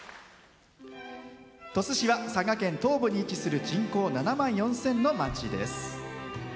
鳥栖市は佐賀県東部に位置する人口７万４０００の町です。